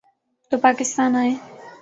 تو پاکستان آئیں۔